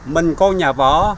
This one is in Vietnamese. mình có nhà võ